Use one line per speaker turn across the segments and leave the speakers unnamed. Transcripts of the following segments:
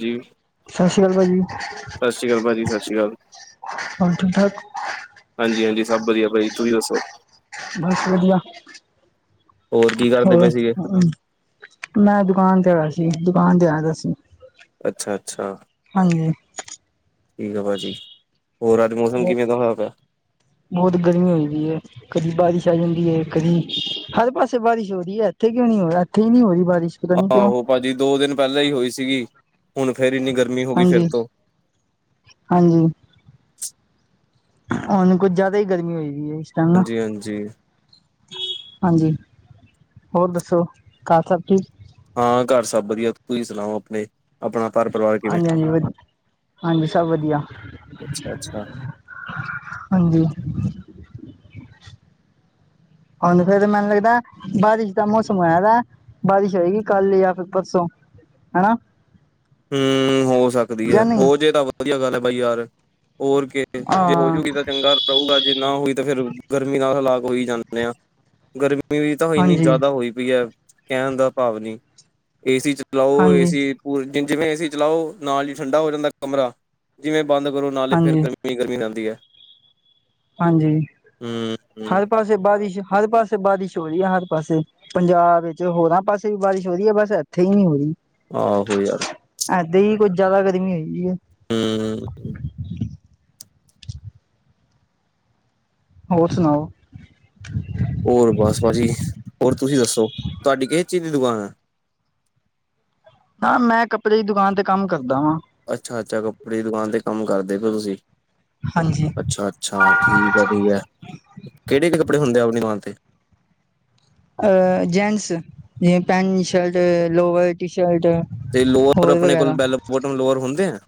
ਜੀ
ਸਤਿ ਸ਼੍ਰੀ ਅਕਾਲ ਭਾ ਜੀ
ਸਤਿ੍ਰੀ ਅਕ ਭਾਜੀ ਸਤਿ੍ਰੀ ਅਾਲ
ਹਣ ਠ ਕ [unintelligible]
ਹਾਂਜੀ ਹਾਂਜੀ ਸਭ ਵਧੀਆ ਭਾਜੀ ਤੁਸੀਂ ਦੱਸੋ
ਬਹੁਸ ਵਧੀਆ
ਹੋਰ ਕੀ ਕਰਦੇ ਪਏ ਸੀਗੇ
ਹੋਰਮ ਮੈਂ ਦੁਕਾਨ ਤੇ ਆਇਆ ਸੀ ਦੁਕਾਨ ਤੇ ਆਇਆ ਸੀ
ਅੱਛਾ ਅੱਛਾ
ਹਾਂਜੀ
ਠੀਕ ਆ ਭਾਜੀ ਹੋਰ ਅੱਜ ਮੌਸਮ ਕਿਵੇਂ ਦਾ ਹੋਇਆਇਿਆ।
ਬਹੁਤ ਗਰਮੀ ਹੋਦੀ ਹੈ। ਕਦੀ ਬਾਰਿਸ਼ ਆ ਜਾਂਦੀ ਹੈ ਕਦੀ ਹਰ ਪਾਸੇ ਬਾਰਿਸ਼ ਹੋ ਰਹੀ ਹੈ। ਇਥੇ ਕਿਉਂ ਨਹੀ ਹੋ ਰਿ ਇੱਥੇ ਹੀ ਨਹੀਂ ਹੋ ਰਹੀ ਬਾਰਿਸ਼। ਪਤਾ ਨੀ ਕਿਉਂ
ਆਹੋ ਪਾਜੀ ਦੋ ਦਿਨ ਪਹਿਲਾਂ ਹੀ ਹੋਈ ਸੀਗੀ ਹੁਣ ਫੇਰ ਇੰਨੀ ਗਰਮੀ ਹੋ ਗਈ ਫਿਰ
ਹਾਂਜੀ-
ਤੋਂ
ਹਾਂਜੀ। ਹੋਣ ਕੁਝ ਜਿਆਦਾ ਹੀ ਗਰਮੀ ਹੋਈ ਦੀ ਏ।
ਹਾਂਜੀ- ਹਾਂਜੀ।
ਹਾਂਜੀ। ਹੋਰ ਦੱਸੋ ਘਰ ਸਭ ਠੀਕ।
ਹਾਂ ਘਰ ਸਭ ਵਧੀਆ ਤੁਸੀ ਸੁਣਾਓ ਆਪਣੇ। ਆਪਣਾ ਪਰ ਪਰਿਵਾਰ ਕਿਵੇਂ
ਹਾਂਜੀ ਹਾਂਜੀ ਵ ਹਾਂਜੀ ਸਭ ਵਧੀਆ
ਅੱਛਾ -ਅੱਛਾ।
ਹਾਂਜੀ। ਹੁਣ ਫਿਰ ਮੈਨੂੰ ਲੱਗਦਾ ਬਾਰਿਸ਼ ਦਾ ਮੌਸਮ ਹੋਇਆਾ ਦੇ ਬਾਰਿਸ਼ ਹੋਏਗੀ ਕੱਲ ਯਾ ਫਿਰ ਪਰਸੋਂ ਹੈਨਾ।
ਹਮ ਹੋ ਸਕਦੀ ਹੈ ਹੋ ਜੇ ਤਾਂ ਵਧੀਆ ਗੱਲ ਹੈ ਬਾਈ ਯਾਰ ਹੋਰ ਜੇ
ਹਾਂ
ਹੋਜੂਗੀ ਤਾਂ ਚੰਗਾ। ਹੋਉਗ ਜੇ ਨਾ ਹੋਈ ਤਾਂ ਫੇਰ ਗਰਮੀ ਨਾਲ ਹਲਾਕ ਹੋਈ ਜਾਂਦੇ ਆ ਗਰਮੀ ਮੀ ਤਾਂ ਇੰਨੀ
ਹਾਂਜੀ
ਜਾਦਾ ਹੋਈ ਪਈ ਹੈ ਕਹਿਣ ਦਾ ਭਾਵਨੀ ਏਸੀ ਚ ਚਲਾਓ ਏ
ਹਾਂਜੀ
ਸੀ ਪੂਰੇ ਦਿਨ ਜਿਵੇਂ ਏਸੀ ਚਲਾਓ ਨਾਲ ਏ ਠੰਡਾ ਹੋ ਜਾਂਦਾ ਕਮਰਾ। ਜਿਵੇਂ ਬੰਦ ਕਰੋ ਨਾਲੇ ਫਿਰ
ਹਾਂਜੀ
ਗਰਮੀ ਗਰਮੀ ਰਿਹਦੀ ਐ।
ਹਾਂਜੀ। ਹਰ ਪਾਸੇ ਬਾਰਿਸ਼ -ਹਰ ਪਾਸੇ ਬਾਰਿਸ਼ ਹੋ ਰਹੀ ਹੈ ਹਰ ਪਾਸੇ। ਪੰਜਾਬ ਵਿੱਚ ਹੋਰਾਂ ਪਾਸੇ ਵੀ ਬਾਰਿਸ਼ ਹੋ ਰਹੀ ਏ ਬਸ ਇੱਥੇ ਹੀ ਨਹੀਂ ਹੋ ਰਹੀ।
ਆਹੋ ਯਾਰ।
ਐਦ ਹੀ ਕੁੱਝ ਜਿਆਦਾ ਗਰਮੀ ਹੋਈਗੀਏ
ਹਮ।
ਹੋਰ ਸੁਣਾਓ।
ਹੋਰ ਬਸ ਬਸ ਜੀ ਹੋਰ ਤੁਸੀਂ ਦੱਸੋ ਤੁਹਾਡੀ ਕਿਹ ਚੀਜ਼ ਦੀ ਦੁਕਾਨ ਹੈ।
ਨਾ ਮੈਂ ਕੱਪੜੇ ਦੀ ਦੁਕਾਨ ਤੇ ਕੰਮ ਕਰਦਾ ਵਾਂ।
ਅੱਛਾ ਅੱਛਾ ਕੱਪੜੇ ਦੀ ਦੁਕਾਨ ਤੇ ਕੰਮ ਕਰਦੇ ਹੋ ਤੁਸੀਂ।
ਹਾਂਜੀ
ਅੱਛਾ ਅੱਛਾ ਠੀਕ ਹੈ ਠੀਕ ਹੈ ਕਿਹੜੇ ਕਿਹੜੇ ਕੱਪੜੇ ਹੁੰਦੇ ਆ ਆਪਣੀ ਦੁਕਾਨ ਤੇ।
ਅ ਜੈਂਟਸ ਤੇ pant shirt lower T shirt.
ਤੇ ਲੋਅਰ
ਹੋਰ
ਆਪਣੇ ਕੋਲ
ਵਗੈਰਾ
ਬੈਲ ਬੋਟਮ ਲੋਅਰ ਹੁੰਦੇ ਆ।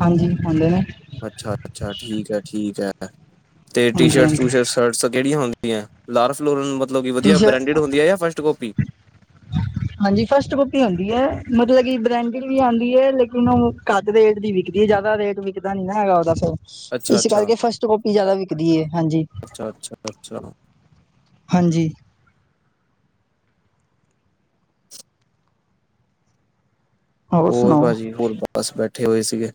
ਹਾਂਜੀ ਹੁੰਦੇ ਨੇ।
ਅੱਛਾ ਅੱਛਾ ਠੀਕ ਹੈ ਠੀਕ ਹੈ ਤੇ ਟੀ
ਹਾਂਜੀ
ਸ਼ਰਟ
ਹਾਂਜੀ
ਟੂ ਸ਼ਰਟ। ਸ਼ਰਟਸ ਕਿਹੜੀਆਂ ਹੁੰਦੀਆਂ ਲਾਰ ਫਲੋਰਨ ਮਤਲਬ ਕਿ
ਟੀ
ਵਧੀਆ
ਸ਼ਰ
ਬ੍ਰੈਂਡਡ ਹੁੰਦੀ ਹੈ ਜਾਂ ਫਸਟ ਕੋਪੀ। [inaudible]
ਹਾਂਜੀ ਫਸਟ ਕਾਪੀ ਹੁੰਦੀ ਹੈ ਮਤਲਬ ਕਿ ਬ੍ਰੈਂਡਡ ਵੀ ਆਉਂਦੀ ਹੈ ਲੇਕਿਨ ਉਹ ਕਾ। ਰੇਟ ਦੀ ਵਿਕਦੀ ਜ਼ਿਆਦਾ ਰੇਟ ਵਿਕਦਾ ਨੀ ਨਾ ਹੈਗਾ ਉਹਦਾ ਸ। ਇਸ
ਅੱਛਾ-ਅੱਛਾ,
ਕਰਕੇ ਫਸਟ ਕਾਪੀ ਜ਼ਿਆਦਾ ਵਿਕਦੀ ਹੈ ਹਾਂਜੀ।
ਅੱਛਾ-ਅੱਛਾ-ਅੱਛਾ
ਹਾਂਜੀ।
ਹੋਰ ਭਾਜੀ ਹੋਰ ਬਸ ਬੈਠੇ ਹੋਏ ਸੀਗੇ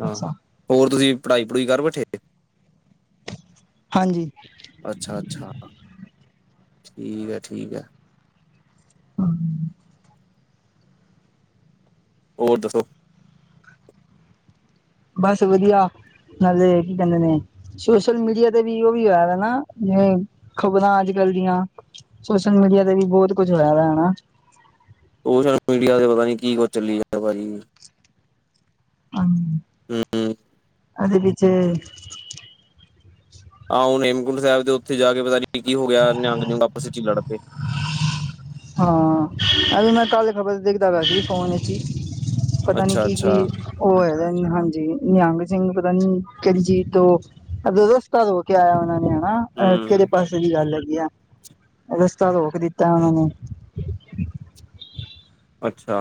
ਹਾਂ।
ਅੱਛਾ
ਹੋਰ ਤੁਸੀਂ ਪੜ੍ਹਾਈ ਪੜੂਈ ਕਰ ਬੈਠੇ।
ਹਾਂਜੀ।
ਅੱਛਾ ਅੱਛਾ ਠੀਕ ਹੈ ਠੀਕ ਹੈ।
ਹਮ। [unintelligible]
ਹੋਰ ਦੱਸੋ।
ਬਸ ਵਧੀਆ ਨਾਲੇ ਕੀ ਕਹਿੰਦੇ ਨੇ। ਸੋਸ਼ਲ ਮੀਡੀਆ ਤੇ ਵੀ ਉਹ ਵੀ ਹੋਇਆ ਵ ਨਾ ਜਿਵੇਂ ਖ਼ਬਰਾਂ ਅੱਜ ਕੱਲ ਦੀਆਂ। ਸੋਸ਼ਲ ਮੀਡੀਆ ਤੇ ਵੀ ਬਹੁਤ ਕੁਝ ਹੋਇਆ ਵ ਹਨਾ।
ਸੋਸ਼ਲ ਮੀਡੀਆ ਤੇ ਪਤਾ ਨੀ ਕੀ ਕੁਛ ਚੱਲੀ ਜਾਂਦਾ ਭਾਜੀ। ਹਮਮ।
ਅਦੇ ਵਿੱਚ ਵਿੱਚ
ਆਹੋ ਹੇਮਕੁੰਡ ਸਾਹਿਬ ਦੇ ਉੱਥੇ ਜਾ ਕੇ ਪਤਾ ਨੀ ਕੀ ਹੋ ਗਿਆ ਨਿਹੰਗ ਆਪਸ ਚ ਹੀ ਲੜ ਪਏ,
ਹ [inaudible] ਹਾਂ ਅ ਮੈਂ ਕੱਲ ਖਬਰ ਤੇ ਦੇਖਦਾ ਗ ਸੀ ਫੋਨ ਵਿੱਚ ਹੀ। ਪਤਾ ਨੀ ਕੀ
ਅੱਛਾ-ਅੱਛਾ
ਕੀ ਉਹ ਹੈ ਹਾਂਜੀ ਨਿਹੰਗ ਸਿੰਘ ਪਤਾ ਨੀ ਕਿਹੜੀ ਚੀਜ ਤੋਂ, ਅੱ ਦਸਤਦ ਕਿਆਣਾ ਨੇ, [unintelligible] ਨਾ
ਹੂੰ
ਕਿਹੜੇ ਪਾਸੇ ਦੀ ਗੱਲ ਹੈਗੀ ਆ ਰਸਤਾ ਰੋਕ ਦਿੱਤਾ ਉਹਨਾਂ ਨੇ, [unintelligible] [inaudible]
ਅੱਛਾ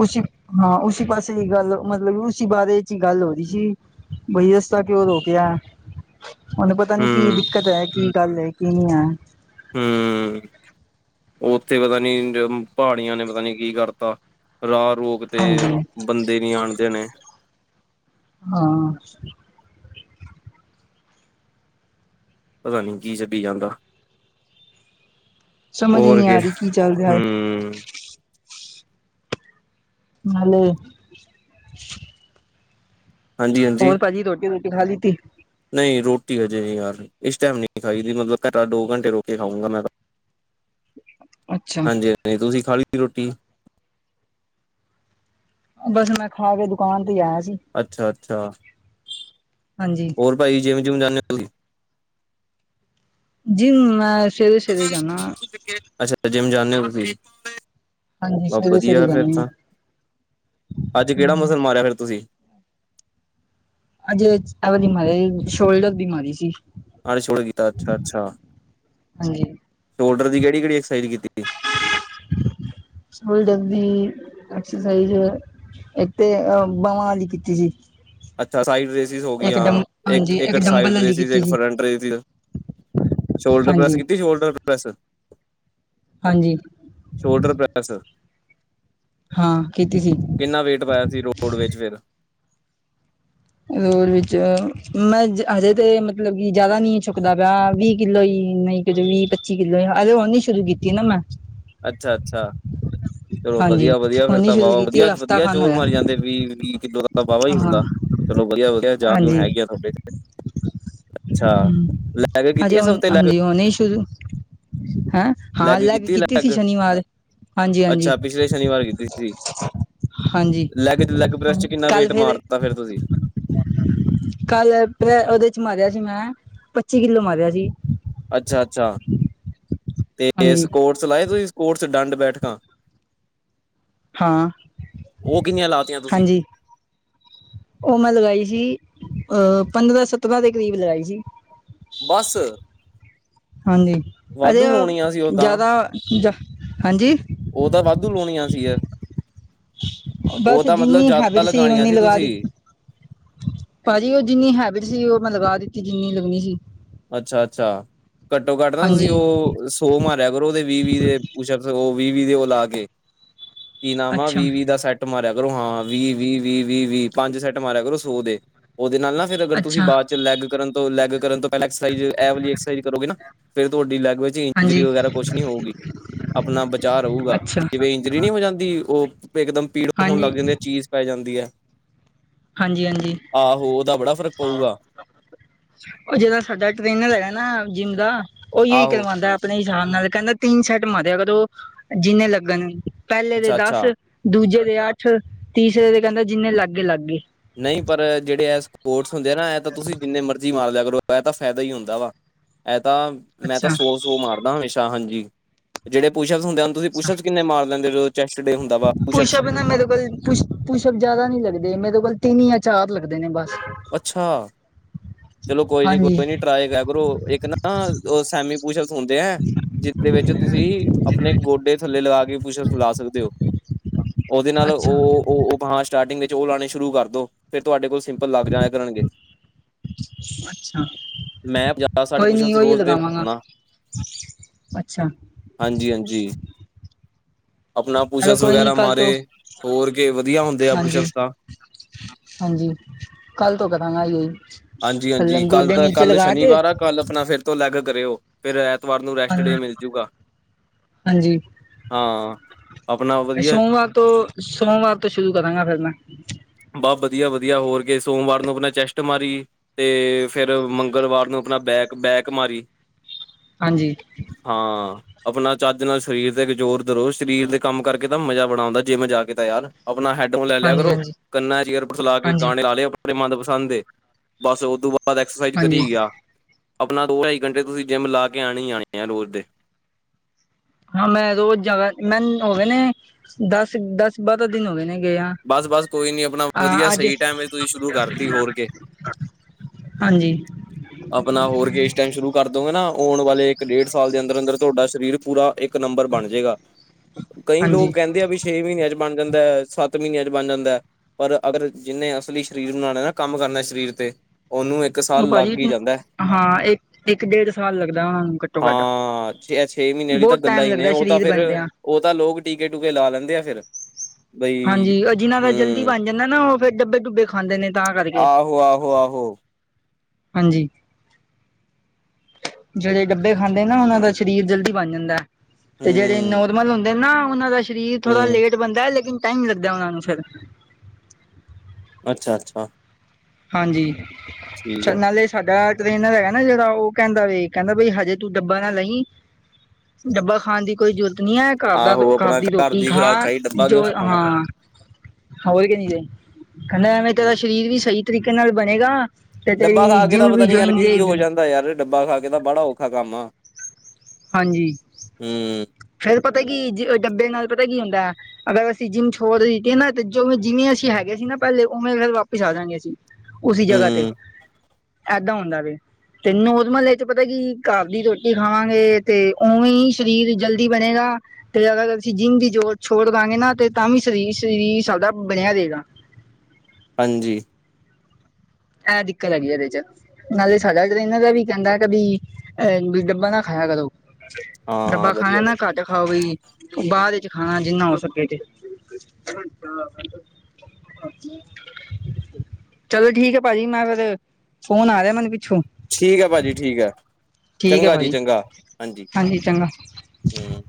ਉਸ ਹਾਂ ਉਸਸੀ ਪਾਸੇ ਦੀ ਗੱਲ ਮਤਲਬ ਉਸ ਬਾਰੇ ਚ ਹੀ ਗੱਲ ਹੋ ਰਹੀ ਸੀ। ਬਈ ਰਸਤਾ ਕਿਓਂ ਰੋਕਿਆ। ਉਹਨੂੰ ਪਤਾ ਨੀ ਕੀ
ਹੂੰ
ਦਿੱਕਤ ਹੈ, ਕੀ ਗੱਲ ਹੈ ਕੀ ਨੀ ਹੈ।
ਹਮ ਉੱਥੇ ਪਤਾ ਨੀ ਪਹਾੜੀਆਂ ਨੇ ਪਤਾ ਨੀ ਕੀ ਕਰਤਾ ਰਾਹ ਰੂ ਕਿਤੇ
ਹਾਂਜੀ
ਬੰਦੇ ਨੀ ਆਣ ਜਾਣੇ।
ਹਾਂ
ਪਤਾ ਨੀ ਕੀ ਚੱਲੀ ਜਾਂਦਾ
ਸਮਝ ਹੀ
ਹੋਰ
ਨਹੀਂ
ਕਿ
ਆ ਰਹੀ ਕੀ ਚੱਲ ਰਿਹਾ ਹੈ
ਹਮ
ਨਾਲ਼ੇ
ਹਾਂਜੀ-ਹਾਂਜੀ।
ਹੋਰ ਭਾਜੀ ਰੋਟੀ ਰੋਟੀ ਖਾ ਲਤੀ
ਨਹੀਂ ਰੋਟੀ ਹਜੇ ਨਹੀਂ ਯਾਰ ਇਸ ਟਾਈਮ ਨਹੀਂ ਖਾਈ ਦੀ ਮਤਲਬ ਘਟਾ ਦੋ ਘੰਟੇ ਰੋ ਕੇ ਖਾਊਂਗਾ ਮੈਂ।
ਅੱਛਾ
ਹਾਂਜੀ ਹਾਂਜੀ, ਤੁਸੀਂ ਖਾ ਲਈ ਰੋਟੀ
ਬਸ ਮੈਂ ਖਾ ਕੇ ਦੁਕਾਨ ਤੇ ਆਇਆ ਸੀ।
ਅੱਛਾ ਅੱਛਾ,
ਹਾਂਜੀ,
ਰ ਭਾਜੀ ਜਿੰਮ ਜੁੰਮ ਜਾਂਦੇ
ਜਿੰਮ ਮੈਂ ਸਵੇਰੇ ਸਵੇਰੇ ਹੀ ਜਾਦਾ
ਅੱਛਾ ਜਿਮ ਜਾਂਦੇ ਹੋ ਤੁਸੀਂ
ਹਾਂਜੀ
ਬ
ਸਵੇਰੇ-ਸਵੇਰੇ
ਵਧੀਆ ਫੇਿਰ
ਜਾਂਦੀ
ਤਾਂ। ਅੱਜ ਕਿਹੜਾ
ਹਾਂ।
ਮਸਲ ਮਾਰਿਆ ਫਿਰ ਤੁਸੀਂ
ਅਜੇ ਐਵੇ ਨ ਮਾਰਿਆ ਸ਼ੋਲਡਰ ਦੀ ਮਾਰੀ ਸੀ।
ਅੜ ਛੜੇ ਗ ਕੀਤਾ, ਅੱਛਾ ਅੱਛਾ,
ਹਾਂਜੀ,
ਸ਼ੋਲਡਰ ਦੀ ਕਿਹੜੀ-ਕਿਹੜੀ ਐਕਸਰਸਾਈਜ਼ ਕੀਤੀ ਏ।
ਸ਼ੋਲਡਰ ਦੀ‌ ਐਕਸਰਸਾਈਜ਼- ਇੱਕ ਤੇ ਅਹ ਬਾਵਾਂ ਵਾਲੀ ਕੀਤੀ ਸੀ।
ਅੱਛਾ ਸਾਈਡ ਰੇਸਿਸ ਹੋ ਗਈ
ਇੱਕ
ਹਾਂ,
ਡੰ ਹਾਂਜੀ
ਇੱਕ
ਡੰਬਲ
ਸਾਈਡ
ਵਾਲੀ
ਰੇਸਿਸ
ਕੀਤੀ
ਇੱਕ
ਸੀ
ਫਰੰਟ ਰੇਸਿਸ। ਸ਼ੋਲਡਰ ਪ੍ਰੈਸ
ਹਾਂਜੀ।
ਕੀਤੀ, ਸ਼ੋਲਡਰ ਪ੍ਰੈਸ।
ਹਾਂਜੀ।
ਸ਼ੋਲਡਰ ਪ੍ਰੈੱਸ
ਹਾਂ ਕੀਤੀ ਸੀ।
ਕਿੰਨਾ ਵੇਟ ਪਾਇਆ ਸੀ ਰੋਡ ਵਿੱਚ ਫੇਰ
ਵਿੱਚ ਮੈਂ ਹਜੇ ਤੇ ਮਤਲਬ ਕਿ ਜਿਆਦਾ ਨੀ ਚੁੱਕਦਾ ਪਿਆ ਵੀਹ ਕਿੱਲੋ ਹੀ ਨਹੀਂ ਵੀਹ-ਪੱਚੀ ਕਿੱਲੋ ਆ ਅਜੇ ਉਹ ਹੀ ਹੁਣ ਸ਼ੁਰੂ ਕੀਤੀ ਨਾ ਮੈਂ
ਅੱਛਾ-ਅੱਛਾ, ਚਲੋ
ਹਾਂਜੀ
ਵਧੀਆ-ਵਧੀਆ
ਹੁਣ
ਫੇਿਰ
ਨੀ
ਤਾਂ
ਸ਼ੁਰੂ
ਵਾਹਵਾ
ਕੀਤੀ ਹਫ਼ਤਾ
ਵਧੀਆ-ਵਧੀਆ
ਖਾਨ
ਜੋਰ
ਹੋਇਆ
ਮਾਰੀ ਜਾਂਦੇ। ਵੀ ਵੀਹ ਕਿੱਲੋ ਦਾ ਵਾਹਵਾ ਹੀ
ਹਾਂ।
ਹੁੰਦਾ ਚਲੋ, ਵਧੀਆ-ਵਧੀਆ ਜਾਨ ਜੂਣ
ਹਾਂਜੀ
ਹੈਗੀ ਆ ਤੁਹਾਡੇ ਇਥੇ।
ਹਜੇ
ਇਸ
ਉਹ
ਹਫ਼ਤੇ ਲੈਗ
ਹਾਂਜੀ ਹੁਣੇ ਹੀਂ ਸ਼ੁਰੂ ਹੈਂ
ਲੈਗ
ਹਾਂ
ਕੀਤੀ
ਸੀ
ਲੈਗ
ਸ਼ਨੀਵਾਰ ਹਾਂਜੀ ਹਾਂਜੀ
ਅੱਛਾ ਪਿਛਲੇ ਸ਼ਨੀਵਾਰ ਕੀਤੀ ਸੀ।
ਹਾਂਜੀ
ਲੈਗ ਚ ਲੈਗ ਪ੍ਰੈਸ ਚ ਕਿੰਨਾ
ਕੱਲ
ਵੇਟ ਮਾਰ
ਫੇਰ
ਦਿੱਤਾ, ਫਿਰ ਤੁਸੀਂ
ਕੱਲ ਪ ਉਹਦੇ ਚ ਮਾਰਿਆ ਸੀ ਮੈਂ ਪੱਚੀ ਕਿੱਲੋ ਮਾਰਿਆ ਸੀ।
ਅੱਛਾ-ਅੱਛਾ, ਤੇ
ਹਾਂਜੀ
ਸਕੋਟਸ ਲਾਏ ਤੁਸੀਂ ਸਕੋਟਸ ਡੰਡ ਬੈਠਕਾ ਉਹ ਕਿੰਨੀਆਂ ਲਾਤੀਆਂ ਤੁਸੀਂ
ਹਾਂ-ਹਾਂਜੀ। ਉਹ ਮੈਂ ਲਗਾਈ ਸੀ ਅਹ ਪੰਦਰਾ-ਸਤਰਾਂ ਦੇ ਕਰੀਬ‌ ਲਗਾਈ ਸੀ।
ਬਸ।
ਹਾਂਜੀ ਅਜੇ
ਵਾਧੂ ਲਾਉਣੀਆਂ ਸੀ
ਉਹ
ਤਾਂ
ਜ਼ਿਆਦਾ ਹਾਂਜੀ
ਉਹ ਤਾਂ ਵਾਧੂ ਲਾਣੀਆਂ ਸੀ ਯਾ
ਬਸ ਜਿੰਨੀ
ਜ਼ਿਆਦਾ
ਹੈਬਿਟ ਸੀ
ਲਗਾਣੀਆਂ
ਓਨੀ ਲਗਾ
ਤੁਸੀਂ
ਦਿੱ ਪਾਜੀ ਉਹ ਜਿੰਨੀ ਹੈਬਿਟ ਸੀ ਉਹ ਮੈਂ ਲਗਾ ਦਿੱਤੀ ਜਿੰਨੀ ਲੱਗਣੀ ਸੀ।
ਅੱਛਾ-ਅੱਛਾ ਘੱਟੋ-ਘੱਟ ਨਾ ਤੁਸੀਂ
ਹਾਂਜੀ
ਉਹ ਸੌ ਮਾਰਿਆ ਕਰੋ ਉਹਦੇ ਵੀਹ-ਵੀਹ ਦੇ ਉਹ ਵੀਹ-ਵੀਹ ਦੇ ਉਹ ਲਾ ਕੇ ਕੀ ਨਾਮ ਆ
ਅੱਛਾ
ਵੀ-ਵੀ ਦਾ ਸੈੱਟ ਸੈਟ ਮਾਰਿਆ ਕਰੋ ਹਾਂ ਵੀਹ-ਵੀਹ-ਵੀਹ-ਵੀਹ-ਵੀਹ ਪੰਜ ਸੈੱਟ ਮਾਰਿਆ ਕਰੋ ਸੌ ਦੇ ਉਹਦੇ ਨਾਲ ਨਾ ਫਿਰ ਅਗਰ ਤੁਸੀਂ
ਅੱਛਾ
ਬਾਦ ਚ ਲੈੱਗ ਕਰਨ ਤੋਂ- ਲੈਗ ਕਰਨ ਤੋਂ ਐਕਸਾਇਜ ਇਹ ਵਾਲੀ ਐਕਸਾਈਜ਼ ਕਰੋਗੇ ਨਾ ਫਿਰ ਤੁਹਾਡੀ ਲੈੱਗ ਵਿੱਚ ਇੰਜਰੀ
ਹਾਂਜੀ
ਵਗੈਰਾ ਕੁਛ ਨੀ ਹੋਊਗੀ ਆਪਣਾ ਬਚਾਅ ਰਹੂਗਾ
ਅੱਛਾ
ਜਿਵੇਂ ਰੀ ਨਹੀਂ ਓ ਇੱਕ ਉਹ ਇਕਦਮ ਪੀੜ ਹੋਣ
ਹਾਂਜੀ
ਲੱਗ ਜਾਂਦੀ ਚੀਜ਼ ਪੈ ਜਾਂਦੀ ਹੈ।
ਹਾਂਜੀ ਹਾਂਜੀ
ਆਹੋ ਉਹਦਾ ਬੜਾ ਫ਼ਰਕ ਪਊਗਾ।
ਉਹ ਜਿਹੜਾ ਸਾਡਾ ਟ੍ਰੇਨਰ ਹੈਗਾ ਨਾ ਜਿੰਮ ਦਾ ਉਇਓ ਹੀ
ਆਹੋ
ਕਰਵਾਉਦਾ। ਆਪਣੇ ਹਿਸਾਬ ਨਾਲ ਕਹਿੰਦਾ ਤਿੰਨ ਸੈੱਟ ਮਾਰਿਆ ਉਹ ਜਿੰਨੇ ਲੱਗਣ ਪਹਿਲੇ ਦੇ
ਅੱਛਾ-ਅੱਛਾ
ਦਸ ਦੂਜੇ ਦੇ ਅੱਠ ਤੀਸਰੇ ਦੇ ਕਹਿੰਦਾ ਜਿੰਨੇ ਲੱਗ ਗਏ ਲੱਗ ਗਏ।
ਨਹੀਂ ਪਰ ਜਿਹੜੇ ਇਹ ਸਪੋਟਸ ਹੁੰਦੇ ਆ ਨਾ ਇਹ ਤਾਂ ਤੁਸੀਂ ਜਿੰਨੇ ਮਰਜ਼ੀ ਮਾਰ ਲਯਾ ਕਰੋ। ਇਹ ਤਾਂ ਫਾਇਦਾ ਹੀ ਹੁੰਦਾ ਵਾ ਇਹ ਤਾਂ ਮੈਂ ਤਾਂ
ਅੱਛਾ
ਸੋ-ਸੋ ਮਾਰਦਾ ਹਮੇਸ਼ਾ ਹਾਂਜੀ। ਜਿਹੜੇ ਪੂਸ਼ਪਸ ਹੁੰਦੇ ਹੈ ਤੁਸੀਂ
ਅੱਛਾ
ਪੂਸ਼ਅਪਸ ਕਿੰਨੇ ਮਾਰ ਲੈਂਦੇ ਐ ਜਦੋ ਚੈਸਟ ਡੇ ਹੁੰਦਾ ਵਾ ਪੂਸ਼ਪਸ-
ਪੁਸ਼ਅਪ ਨਾ ਮੇਰੇ ਕੋਲ ਪੁਸ਼ਪ ਜਿਆਦਾ ਨੀ ਲੱਗਦੇ ਮੇਰੇ ਕੋਲ ਤਿੰਨ ਯਾਂ ਚਾਰ ਲੱਗਦੇ ਨੇ ਬਸ
ਅੱਛਾ! ਚਲੋ ਕੋਈ
ਹਾਂਜੀ
ਨੀ-ਕੋਈ ਨੀ ਟਰਾਈ ਕਰ ਲੋ ਇੱਕ ਨਾ ਸੈਮੀ ਪੁਸ਼ਪਸ ਹੁੰਦੇ ਆ। ਜਿਦੇ ਵਿੱਚ ਤੁਸੀਂ ਆਪਣੇ ਗੋਡੇ ਥੱਲੇ ਲਗਾ ਕੇ ਪੁਸ਼ਪ ਲਗਾ ਸਕਦੇ ਹੋ। ਉਹਦੇ ਨਾਲ
ਅੱਛਾ
ਉਹ ਹਾਂ ਸਟਾਰਟਿੰਗ ਵਿੱਚ ਉਹ ਲਾਉਣੇ ਸ਼ੁਰੂ ਕਰ ਦੋ ਫੇਿਰ ਤੁਹਾਡੇ ਕੋਲ ਸਿੰਪਲ ਲੱਗ ਜਾਇਆ ਕਰਨਗੇ।
ਅੱਛਾ।
ਮੈਂ ਪੰਜਾਹ ਸੱਠ
ਕੋਈ ਨੀ
ਪੁਸ਼ਅਪਸ
ਉਇਓ
ਰੋਜ਼ ਦੇ
ਲਗਾਵਾਂਗਾ
ਮਾਰਨਾ
ਅੱਛਾ।
ਹਾਂਜੀ-ਹਾਂਜੀ। ਆਪਣਾ
ਚਲੋ
ਪੁੂਸ਼ਪ
ਕੋਈ ਨੀ
ਵਗੈਰਾ
ਕੱਲ
ਮਾਰੇ
ਤੋਂ
ਹੋਰ ਕੇ ਵਧੀਆ ਹੁੰਦੇ ਆ
ਹਾਂਜੀ
ਪੁਸ਼ਪਸ ਤਾਂ
ਹਾਂਜੀ, ਕੱਲ੍ਹ ਤੋਂ ਕਰਾਂਗਾ ਆ ਜੀ।
ਹਾਂਜੀ ਹਾਂਜੀ ਕੱਲ ਤਾਂ ਕੱਲ ਸ਼ਨੀਵਾਰ ਆ ਕੱਲ ਆਪਣਾ ਫਿਰ ਤੋਂ ਅਲੱਗ ਕਰਿਓ। ਫਿਰ ਐਤਵਾਰ ਨੂੰ ਰੈਸਟ ਡੇ
ਹਾਂ
ਮਿਲਜੂਗਾ,
ਹਾਂਜੀ
ਹਾਂ। ਆਪਣਾ
ਮੈ
ਵਧੀਆ
ਸੋਮਵਾਰ ਤੋਂ, ਸੋਮਵਾਰ ਤੋਂ ਸ਼ੁਰੂ ਕਰਾਂਗਾ ਫੇਰ ਮੈਂ।
ਬਹੁ ਵਧੀਆ ਵਧੀਆ ਹੋਰ ਗਏ ਸੋਮਵਾਰ ਨੂੰ ਆਪਣਾ ਚੈਸਟ ਮਾਰੀ ਤੇ, ਫਿਰ ਮੰਗਲਵਾਰ ਨੂੰ ਆਪਣਾ ਬੈਕ ਪੇਕ ਮਾਰੀ।
ਹਾਂਜੀ।
ਹਾਂ। ਆਪਣਾ ਚੱਜ ਨਾਲ ਸਰੀਰ ਤੇ ਇੱਕ ਜ਼ੋਰ ਦਰੋ ਸਰੀਰ ਦੇ ਕੰਮ ਕਰਕੇ ਤਾਂ ਮਜ਼ਾ ਬੜਾ ਆਉਂਦਾ, ਜਿੰਮ ਜਾ ਕੇ ਤਾਂ ਯਾਰ। ਆਪਣਾ ਹੈਡਫੋਨ ਲੈ ਲਿਆ
ਹਾਂਜੀ
ਕਰੋ,
ਹਾਂਜੀ
ਕੰਨਾਂ 'ਚ' ਏਅਰਬਡਸ ਲਾਕੇ
ਹਾਂਜੀ
ਗਾਣੇ ਲਾ ਲਾਲੇ ਆਪੇ ਮਦਪਸੰਦ ਦੇ, ਬਸ ਉਹ ਤੋਂ ਬਾਅਦ ਐਕਸਰਸਾਈਜ਼
ਹਾਂਜੀ
ਕਰੀ ਗਿਆ। ਆਪਣਾ ਦੋ ਢਾਈ ਘੰਟੇ ਤੁਸੀਂ ਜਿੰਮ ਲਾ ਕੇ ਆਣੀ ਹੀ ਆਣੀ ਆ ਰੋਜ਼ ਦੇ।
ਹਾਂ ਮੈਂ ਰੋਜ਼ ਜਾ ਮੈਂ ਹੋ ਗਏ ਨੇ, ਦਸ ਦਸ ਬਾਰਾਂ ਦਿਨ ਹੋ ਗਏ ਨੇ ਗਏ ਆਂ।
ਬਸ ਬਸ ਕੋਈ ਨੀ ਆਪਣਾ ਵਧੀਆ ਸਹੀ ਟਾਈਮ ਤੁਸੀਂ ਸ਼ੁਰੂ ਕਰਤੀ ਹੋਰ ਕੇ।
ਹਾਂਜੀ।
[unintelligible] ਆਪਣਾ ਹੋਰ ਕੇ ਇਸ ਟਾਈਮ ਸ਼ੁਰੂ ਕਰ ਦੋਂਗੇ ਨਾ, ਆਉਣ ਵਾਲੇ ਇੱਕ ਡੇਢ ਸਾਲ ਦੇ ਅੰਦਰ ਅੰਦਰ ਤੁਹਾਡਾ ਸਰੀਰ ਪੂਰਾ ਇੱਕ ਇੱਕ ਨੰਬਰ ਬਣ ਜੇਗਾ, ਕਈਂ ਲੋਕ
ਹਾਂਜੀ
ਕਹਿੰਦੇ ਆ ਵੀ ਛੇ ਮਹੀਨਿਆਂ ਚ ਬਣ ਜਾਂਦੈ, ਸੱਤ ਮਹੀਨਿਆਂ ਚ ਬਣ ਜਾਂਦੈ। ਪਰ ਅਗਰ ਜਿਹਨੇ ਅਸਲੀ ਸਰੀਰ ਬਣਾਣੈ ਨਾ, ਕੰਮ ਕਰਨਾ ਸਰੀਰ ਤੇ, ਉਹਨੂੰ
ਉਹ
ਸਾਲ
ਭਾਜੀ
ਲੱਗ ਹੀ ਜਾਂਦਾ
ਹਾਂ, ਇੱਕ- ਇੱਕ ਡੇਢ ਸਾਲ ਲੱਗਦਾ ਉਹਨਾਂ ਨੂੰ ਘੱਟੋ ਘੱਟ।
ਛੇ-ਛੇ ਮਹੀਨੇ ਵਾਲੀ ਤਾਂ
ਬਹੁਤ
ਗੱਲਾਂ
ਟਾਈਮ
ਹੀ ਨੇ,
ਲੱਗਦਾ
ਉਹ ਤਾਂ
ਸਰੀਰ
ਫਿਰ
ਬਣਦਿਆਂ
ਉਹ ਤਾਂ ਲੋਕ ਟੀਕੇ ਟੂਕੇ ਲਾ ਲੈਂਦੇ ਆ ਫਿਰ, ਬਈ।
ਜਿਨਾ ਦਾ ਜਲਦੀ
ਹਮ
ਬਣ ਜਾਂਦੈ ਨਾ, ਉਹ ਫਿਰ ਡੱਬੇ ਡੁੱਬੇ ਖਾਂਦੇ ਨੇ, ਤਾਂ ਕਰਕੇ।
ਆਹੋ-ਆਹੋ-ਆਹੋ।
ਹਾਂਜੀ। ਜਿਹੜੇ ਡੱਬੇ ਖਾਂਦੇ ਨਾ ਉਹਨਾਂ ਦਾ ਸਰੀਰ ਜਲਦੀ ਬਣ ਜਾਂਦੈ। ਤੇ ਜਿਹੜੇ
ਹੂੰ
ਨੋਰਮਲ ਹੁੰਦੇਨ ਨਾ, ਉਹਨਾਂ ਦਾ ਸਰੀਰ ਥੋੜ੍ਹਾ
ਹੂੰ
ਲੇ ਬੰਦਾ ਲੇਕਿਨ ਟਾਈਮ ਲੱਗਦਾ ਉਹਨਾ ਨੂੰ ਫਿਰ।
ਅੱਛਾ-ਅੱਛਾ।
ਹਾਂਜੀ, ਅੱਛਾ
ਹੈ
ਨਾਲੇ ਸਾਡਾ ਟ੍ਰਰੇਨਰ ਹੈਗਾ ਨਾ ਜਿਹੜਾ ਉਹ ਕਹਿੰਦਾ ਵੇ ਕਹਿੰਦਾ ਬਈ ਹਜੇ ਤੂੰ ਡੱਬਾ ਨਾ ਲਈਂ ਡੱਬਾ ਖਾਨ ਦੀ ਕੋਈ ਜ਼ਰੂਰਤ ਨਹੀਂ ਐਂ ਘਰ ਦਾ
ਆਹੋ
ਘਰ
ਆਪਣਾ
ਦੀ ਰੋਟੀ
ਖੁਰਾਕ
ਖਾ,
ਖਾਈ ਡੱਬਾ ਕਿਉਂ
ਜੋ
ਖਾਣਾ
ਹਾਂ ਹੋਰ ਕਿ ਨਹੀਂ ਰ, ਕਹਿੰਦਾ ਐਵੇਂ ਤੇਰਾ ਸ਼ਰੀਰ ਵੀ ਸਹੀ ਤਰੀਕੇ ਨਾਲ ਬਣੇਗਾ। ਤੇ
ਡੱਬਾ
ਤੇਰੀ
ਖਾ ਕੇ ਤਾਂ
ਜਿੰਮ
ਪਤਾ
ਵੀ
ਨੀ ਯਾਰ
ਜੁਆਇਨ
ਕੀ-ਕੀ ਹੋ
ਰਹੇਗੀ
ਜਾਂਦਾ ਯਾਰ, ਡੱਬਾ ਖਾ ਕੇ ਤਾਂ ਬੜਾ ਔਖਾ ਕੰਮ ਆ।
ਹਾਂਜੀ।
ਹਮ।
ਫਿਰ ਪਤਾ ਕੀ, ਡੱਬੇ ਨਾਲ ਪਤਾ ਕੀ ਹੁੰਦੈ? ਅਗਰ ਅਸੀਂ ਜਿੰਮ ਛੋੜ ਦਿੱਤੀ ਨਾ, ਤੇ ਜਿਂਵੇਂ-ਜਿਵੇਂ ਅਸੀਂ ਹੈਗੇ ਸੀ ਨਾ ਪਹਿਲੇ ਉਵੇਂ ਫੇਰ ਵਾਪਿਸ ਆ ਜਾਂਗੇ ਅਸੀਂ। ਉਸੀ ਜਗ੍ਹਾ ਤੇ,
ਹੂੰ
ਏਦਾਂ ਹੁੰਦਾ ਵੇ। ਤੇ ਨੋਰਮਲ ਏਚ ਪਤਾ ਕੀ, ਘਰ ਦੀ ਰੋਟੀ ਖਾਵਾਂਗੇ ਤੇ, ਉਵੇਂਈ ਸਰੀਰ ਜ ਕੀ ਬਣੇਗਾ ਤੇ ਅਗਰ ਅਸੀਂ ਜਿੰਮ ਦੀ ਜੋੜ ਛੋੜ ਦਾਂਗੇ ਨਾ, ਤੇ ਤਾਂ ਵੀ ਸਰੀ- ਸਰੀਰ ਸਾਡਾ ਬਣਿਆ ਰਏਗਾ।
ਹਾਂਜੀ।
ਐ ਦਿੱਕਤ ਹੈਗੀ ਇਹਦੇ ਚ। ਨਾਲੇ ਸਾਡਾ ਟ੍ਰੇਨਰ ਇਹਨਾਂ ਦਾ ਵੀ ਕਹਿੰਦਾ ਕਿ ਬ ਅਹ ਡੱਬਾ ਨਾ ਖਾਇਆ ਕਰੋ।
ਹਾਂ ਹਾਂ
ਡੱਬਾ ਖਾਣਾ
ਵਧੀਆ
ਨਾ
ਵਧੀਆ
ਘੱਟ ਖਾਓ ਵੀ। ਬਾਅਦ ਵਿੱਚ ਖਾਣਾ, ਜਿੰਨਾ ਹੋ ਸਕੇ ਤੇ। ਚਲੋ ਠੀਕ ਅ ਭਾਜੀ ਮੈਂ ਫਿਰ, ਫੋਨ ਆ ਰਿਹਾ ਮੈਨੂੰ ਪਿੱਛੋਂ।
ਠੀਕ ਹੈ ਭਾਜੀ ਠੀਕ ਹੈ,
ਠੀਕ ਹੈ
ਚੰਗਾ ਜੀ
ਭਾਜੀ
ਚੰਗਾ, ਹਾਂਜੀ ਹੂ।